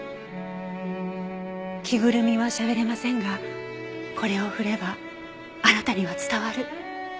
着ぐるみはしゃべれませんがこれを振ればあなたには伝わる。